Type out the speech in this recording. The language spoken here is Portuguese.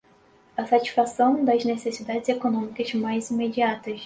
a satisfação das necessidades econômicas mais imediatas